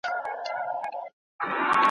لوستل وکړه.